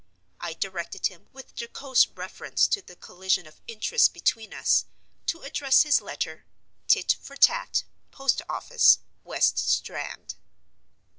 I directed him, with jocose reference to the collision of interests between us, to address his letter: "Tit for Tat, Post office, West Strand."